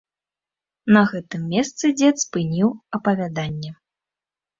На гэтым месцы дзед спыніў апавяданне.